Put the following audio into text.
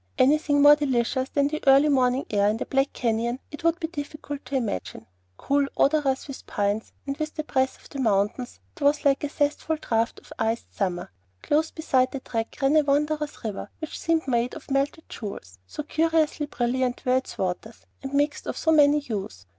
Anything more delicious than the early morning air in the Black Canyon it would be difficult to imagine. Cool, odorous with pines and with the breath of the mountains, it was like a zestful draught of iced summer. Close beside the track ran a wondrous river which seemed made of melted jewels, so curiously brilliant were its waters and mixed of so many hues.